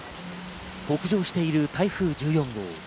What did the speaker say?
北上している台風１４号。